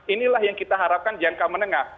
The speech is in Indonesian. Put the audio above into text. inilah yang kita harapkan jangka menengah